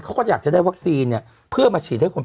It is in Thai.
เขาก็อยากจะได้วัคซีน